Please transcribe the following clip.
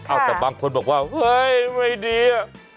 เอาแต่บางคนบอกว่าเฮ้ยไม่ดีอะ